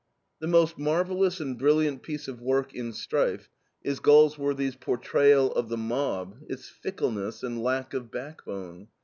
The most marvellous and brilliant piece of work in STRIFE is Galsworthy's portrayal of the mob, its fickleness, and lack of backbone.